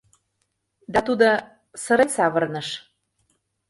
— Да тудо сырен савырныш.